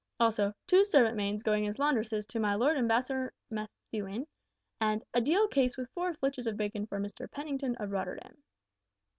also `two servant maids going as laundresses to my Lord Ambassador Methuen,' and `a deal case with four flitches of bacon for Mr Pennington of Rotterdam.'